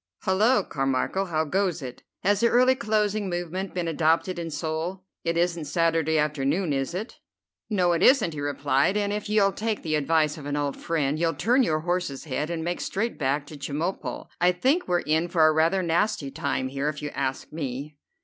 "Hullo, Carmichel, how goes it? Has the early closing movement been adopted in Seoul? It isn't Saturday afternoon, is it?" "No, it isn't," he replied, "and if you'll take the advice of an old friend, you'll turn your horse's head, and make straight back for Chemulpo. I think we're in for a rather nasty time here, if you ask me."